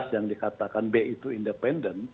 yang dikatakan b itu independen